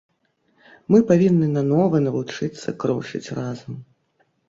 Мы павінны нанова навучыцца крочыць разам.